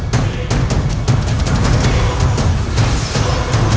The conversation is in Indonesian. dia juga menuju jalan